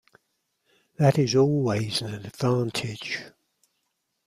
That is always an advantage.